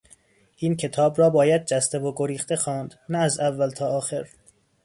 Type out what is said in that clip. این کتاب را باید جسته و گریخته خواند، نه از اول تا آخر.